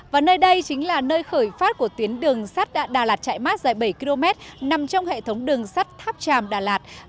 và nơi đây chính là nơi khởi phát của tuyến đường sắt đà lạt chạy mát dài bảy km nằm trong hệ thống đường sắt tháp tràm đà lạt